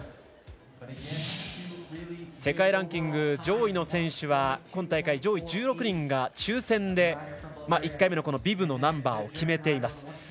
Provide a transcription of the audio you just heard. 世界ランキング上位の選手は今大会、上位１６人が抽選で１回目のビブのナンバーを決めています。